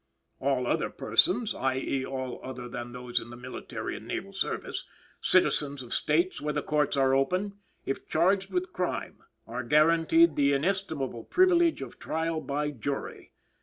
"All other persons," (i. e., all other than those in the military and naval service) "citizens of states where the courts are open, if charged with crime, are guaranteed the inestimable privilege of trial by jury.